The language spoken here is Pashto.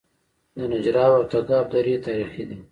د نجراب او تګاب درې تاریخي دي